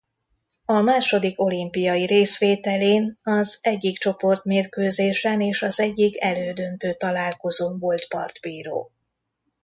A második olimpiai részvételén az egyik csoportmérkőzésen és az egyik elődöntő találkozón volt partbíró.